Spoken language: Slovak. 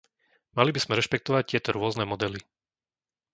Mali by sme rešpektovať tieto rôzne modely.